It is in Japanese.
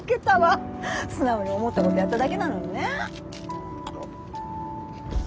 素直に思ったことやっただけなのにね。